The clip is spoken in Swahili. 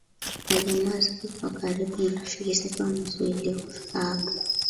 na jamaa zake wa karibu na rafiki zake wamezuiliwa kufika hapa